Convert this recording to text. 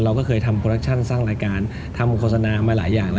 เราก็เคยทำโปรดักชั่นสร้างรายการทำโฆษณามาหลายอย่าง